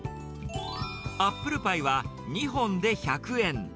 アップルパイは２本で１００円。